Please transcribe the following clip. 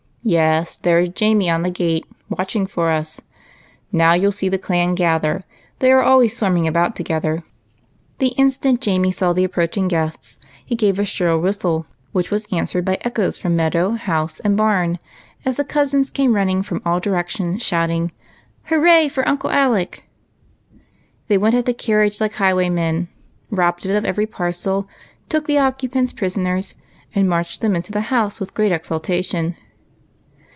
Yes, there is Jamie on the gate watching for us ; now you '11 see the Clan gather; they are always swarming about together." The instant Jamie saw the approaching guests he gave a shrill whistle, which was answered by echoes from meadow, house, and barn, as the cousins came running from all directions, shouting, "Hooray for Uncle Alec!" They went at the carriage hke high, waymen, robbed it of every parcel, took the occupants prisoners, and marched them into the house with great exultation.